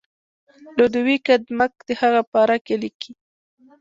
لودویک آدمک د هغه پاره کې لیکي.